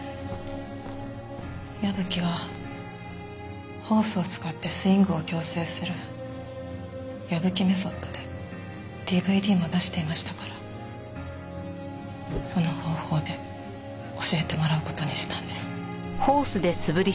矢吹はホースを使ってスイングを矯正する矢吹メソッドでＤＶＤも出していましたからその方法で教えてもらう事にしたんです。